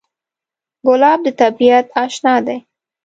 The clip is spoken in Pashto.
ګلاب د طبیعت اشنا دی.